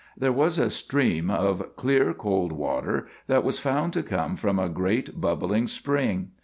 There was a stream of clear, cold water that was found to come from a great bubbling spring.